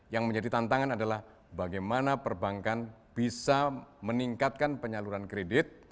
yang menjadi tantangan adalah bagaimana perbankan bisa meningkatkan penyaluran kredit